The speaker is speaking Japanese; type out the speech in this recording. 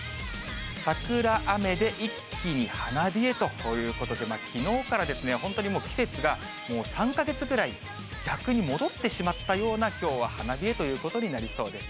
桜雨で一気に花冷えということで、きのうから本当にもう季節が３か月ぐらい逆に戻ってしまったような、きょうは花冷えということになりそうです。